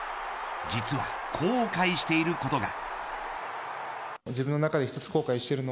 実は後悔していることが。